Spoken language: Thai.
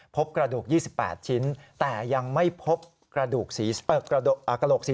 พบกระดูก๒๘ชิ้นแต่ยังไม่พบกระดูก